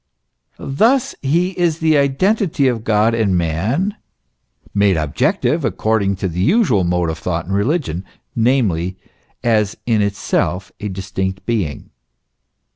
Thus he is the identity of God and man, made objective according to the usual mode of thought in religion, namely, as in itself a distinct being.